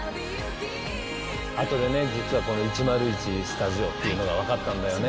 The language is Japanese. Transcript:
あとでね、実は１０１スタジオっていうのが分かったんだよね。